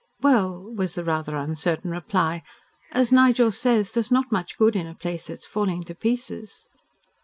"Well," was the rather uncertain reply, "as Nigel says, there's not much good in a place that is falling to pieces."